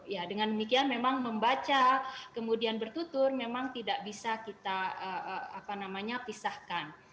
ya dengan demikian memang membaca kemudian bertutur memang tidak bisa kita pisahkan